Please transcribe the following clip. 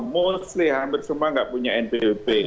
mostly hampir semua nggak punya npwp